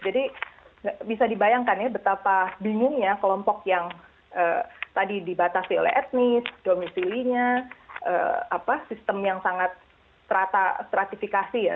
jadi bisa dibayangkan ya betapa bingungnya kelompok yang tadi dibatasi oleh etnis domisili nya apa sistem yang sangat rata stratifikasi ya